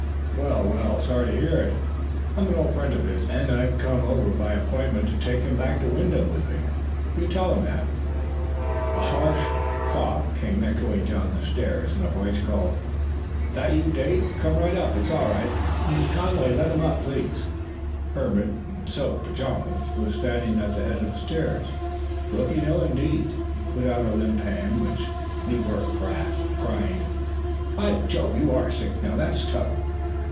"Well, well! Sorry to hear it. I'm an old friend of his, and I've come over by appointment to take him back to Wyndham with me. You tell him that " A harsh cough came echoing down the stairs and a voice called: "That you, Dade? Come right up. It's all right, Mrs. Conway; let him come, please." Herbert, in silk pajamas, was standing at the head of the stairs, looking ill indeed. He put out a limp hand, which Newbert grasped, crying: "By Jove! you are sick. Now, that's tough."